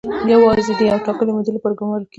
یوازې د یوې ټاکلې مودې لپاره ګومارل کیږي.